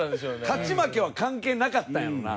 勝ち負けは関係なかったんやろな。